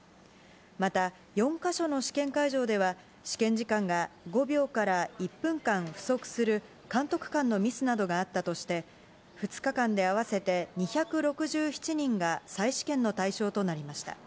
また、４か所の試験会場では、試験時間が５秒から１分間不足する監督官のミスなどがあったとして、２日間で合わせて２６７人が再試験の対象となりました。